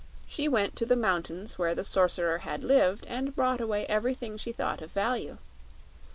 She went to the mountains where the Sorcerer had lived and brought away everything she thought of value.